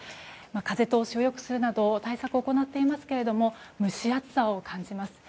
風通しを良くするなど対策を行っていますけども蒸し暑さを感じます。